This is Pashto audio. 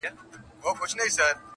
• اوښکو د چا کله ګنډلی دی ګرېوان وطنه -